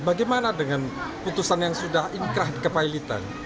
bagaimana dengan putusan yang sudah ingkah kepailitan